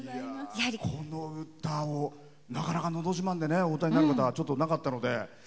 この歌をなかなか「のど自慢」でお歌いになることはなかったので。